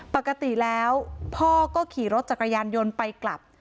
ปกติแล้วพ่อก็ขี่รถจักรยานยนต์ไปกลับ